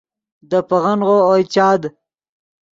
دے پیغنغو اوئے چاد